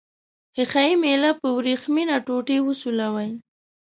ښيښه یي میله په وریښمینه ټوټې وسولوئ.